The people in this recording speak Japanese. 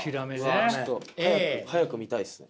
わあ、ちょっと早く見たいですね。